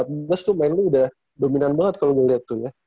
tahun empat belas tuh main lu udah dominan banget kalo gue liat tuh ya